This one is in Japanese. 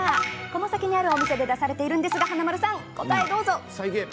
この先にあるお店で出されているんですが華丸さん、答えをどうぞ！